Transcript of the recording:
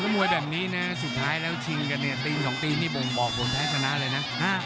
มวยแบบนี้นะสุดท้ายแล้วชิงกันเนี่ยตี๒ตีนนี่บ่งบอกผลแพ้ชนะเลยนะ